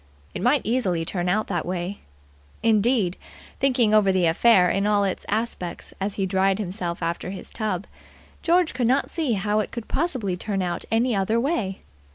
It might easily turn out that way. Indeed, thinking over the affair in all its aspects as he dried himself after his tub, George could not see how it could possibly turn out any other way.